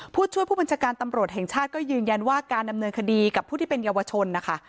ผู้ช่วยผู้บัญชาการตำรวจแห่งชาติก็ยืนยันว่าการดำเนินคดีกับผู้ที่เป็นเยาวชนนะคะ